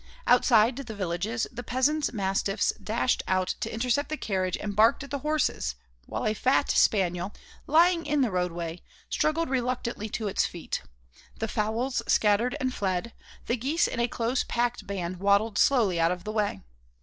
Outside the villages the peasants' mastiffs dashed out to intercept the carriage and barked at the horses, while a fat spaniel, lying in the roadway, struggled reluctantly to its feet; the fowls scattered and fled; the geese in a close packed band waddled slowly out of the way.